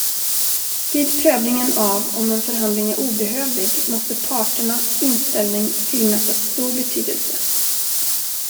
Vid prövningen av om en förhandling är obehövlig måste parternas inställning tillmätas stor betydelse.